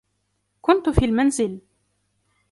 كنت في المنزل